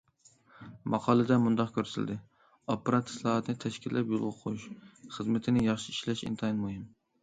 ماقالىدە مۇنداق كۆرسىتىلدى: ئاپپارات ئىسلاھاتىنى تەشكىللەپ يولغا قويۇش خىزمىتىنى ياخشى ئىشلەش ئىنتايىن مۇھىم.